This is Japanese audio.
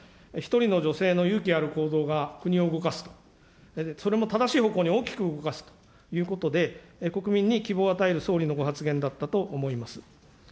１人の女性の勇気ある行動が、国を動かす、それも正しい方向に大きく動かすということで、国民に希望を与える総理のご発言だったと思います。